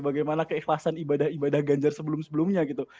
bagaimana keikhlasan ibadah ibadah ganjar sebelum sebelumnya gitu